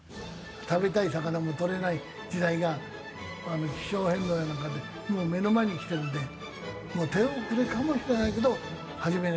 食べたい魚もとれない時代が気象変動やなんかでもう目の前にきてるんでもう手遅れかもしれないけど始めなきゃしょうがないなと。